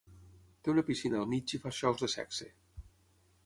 Té una piscina al mig i fa shows de sexe.